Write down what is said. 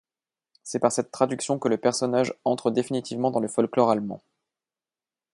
C'est par cette traduction que le personnage entre définitivement dans le folklore allemand.